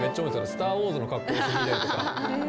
「スター・ウォーズ」の格好して弾いたりとか。